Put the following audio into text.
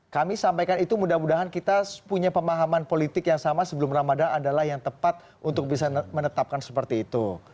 kami sampaikan itu mudah mudahan kita punya pemahaman politik yang sama sebelum ramadhan adalah yang tepat untuk bisa menetapkan seperti itu